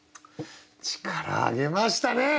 力上げましたね！